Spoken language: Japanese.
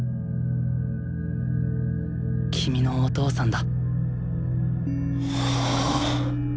君のお父さんだ。